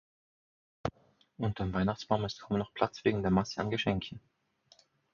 Unterm Weihnachtsbaum ist kaum noch Platz wegen der Masse an Geschenken.